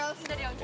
perlembar ya girls